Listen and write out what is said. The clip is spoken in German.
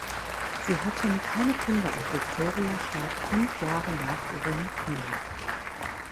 Sie hatten keine Kinder und Viktoria starb fünf Jahre nach ihrem Mann.